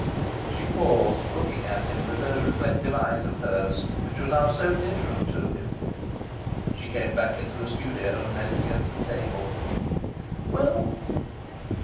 She paused, looking at him with those reflective eyes of hers, which now were so different to him. She came back into the studio and leaned against the table. "Well?"